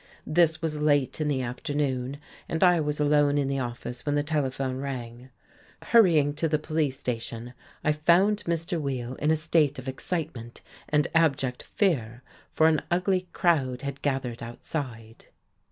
This was late in the afternoon, and I was alone in the office when the telephone rang. Hurrying to the police station, I found Mr. Weill in a state of excitement and abject fear, for an ugly crowd had gathered outside.